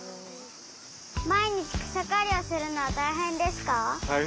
まいにちくさかりをするのはたいへんですか？